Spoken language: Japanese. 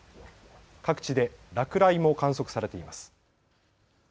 各地で落雷も観測されています。